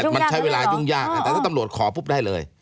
มันใช้เวลายุ่งยากแต่ถ้าตำรวจขอปุ๊บได้เลย